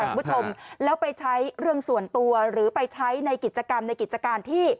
คุณผู้ชมแล้วไปใช้เรื่องส่วนตัวหรือไปใช้ในกิจกรรมในกิจการที่